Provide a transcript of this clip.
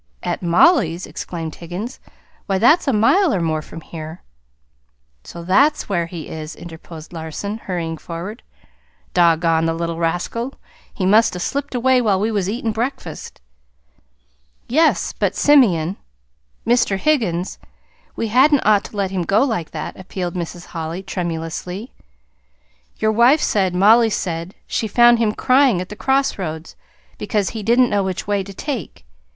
"At Mollie's!" exclaimed Higgins. "Why, that's a mile or more from here." "So that's where he is!" interposed Larson, hurrying forward. "Doggone the little rascal! He must 'a' slipped away while we was eatin' breakfast." "Yes. But, Simeon, Mr. Higgins, we hadn't ought to let him go like that," appealed Mrs. Holly tremulously. "Your wife said Mollie said she found him crying at the crossroads, because he didn't know which way to take.